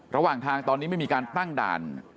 ระหว่างทางตอนนี้ไม่มีการตั้งด่าน